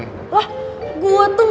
lah gue tuh gak khawatir